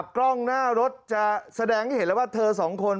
กล้องหน้ารถจะแสดงให้เห็นแล้วว่าเธอสองคน